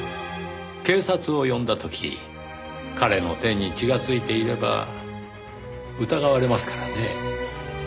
警察を呼んだ時彼の手に血がついていれば疑われますからね。